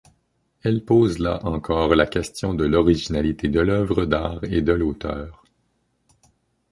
Elle pose là encore la question de l'originalité de l'œuvre d'art et de l'auteur.